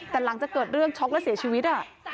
แต่หลังจากเกิดเรื่องช็อกแล้วเสียชีวิต